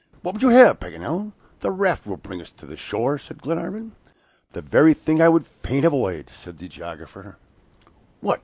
"What would you have, Paganel? The raft will bring us to the shore," said Glenarvan. "The very thing I would fain avoid," exclaimed the geographer. "What!